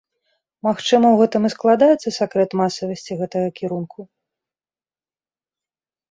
Магчыма, у гэтым і складаецца сакрэт масавасці гэтага кірунку?